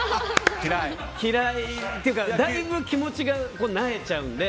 っていうか、だいぶ気持ちがなえちゃうんで。